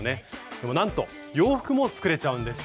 でもなんと洋服も作れちゃうんです。